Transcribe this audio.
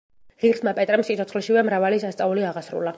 ღირსმა პეტრემ სიცოცხლეშივე მრავალი სასწაული აღასრულა.